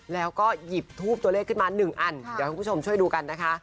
แล้วก็หยิบทูบตัวเลขขึ้นมา๑อันเดี๋ยวให้คุณผู้ชมช่วยดูกันนะคะ